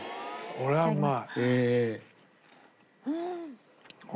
これはうまい。